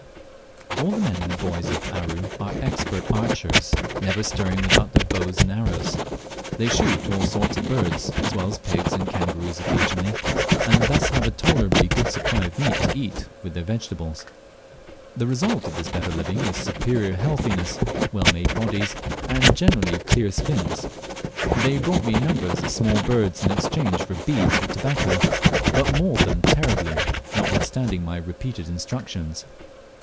All the men and boys of Aru are expert archers, never stirring without their bows and arrows. They shoot all sorts of birds, as well as pigs and kangaroos occasionally, and thus have a tolerably good supply of meat to eat with their vegetables. The result of this better living is superior healthiness, well made bodies, and generally clear skins. They brought me numbers of small birds in exchange for beads or tobacco, but mauled them terribly, notwithstanding my repeated instructions.